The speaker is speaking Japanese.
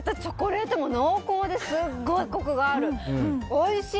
おいしい！